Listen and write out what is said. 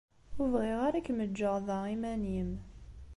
Ur bɣiɣ ara ad kem-ǧǧeɣ da iman-im.